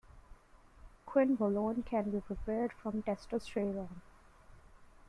Quinbolone can be prepared from testosterone.